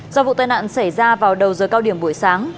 do vụ tai nạn xảy ra vào đầu giờ cao điểm buổi sáng